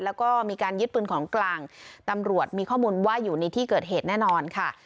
แล้วก็มีการยึดปืนของกลางตำรวจมีข้อมูลว่าอยู่ในที่เกิดเหตุแน่นอนค่ะ